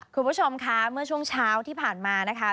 คุณผู้ชมคะเมื่อช่วงเช้าที่ผ่านมานะคะ